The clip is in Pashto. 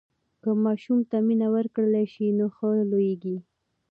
که ماشوم ته مینه ورکړل سي نو ښه لویېږي.